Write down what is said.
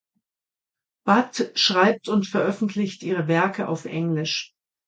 Bhatt schreibt und veröffentlicht ihre Werke auf Englisch.